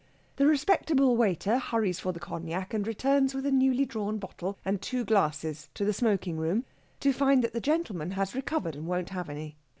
The respectable waiter hurries for the cognac, and returns with a newly drawn bottle and two glasses to the smoking room, to find that the gentleman has recovered and won't have any.